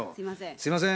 すいません。